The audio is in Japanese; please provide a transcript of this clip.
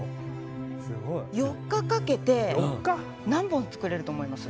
４日かけて何本作れると思います？